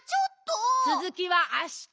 つづきはあした。